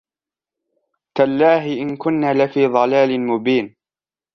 تالله إن كنا لفي ضلال مبين